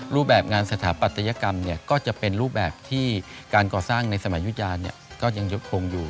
รูปแบบงานสถาปัตยกรรมก็จะเป็นรูปแบบที่การก่อสร้างในสมัยยุธยาก็ยังคงอยู่